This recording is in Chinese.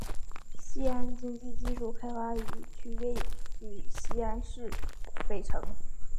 西安经济技术开发区位于西安市北城。